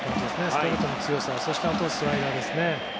ストレートの強さあとはスライダーですね。